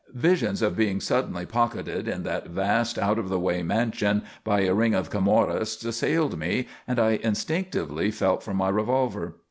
Visions of being suddenly pocketed in that vast, out of the way mansion by a ring of Camorrists, assailed me, and I instinctively felt for my revolver.